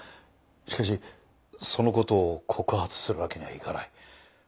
しかしその事を告発するわけにはいかない。